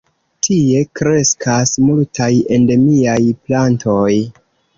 Tie kreskas multaj endemiaj plantoj.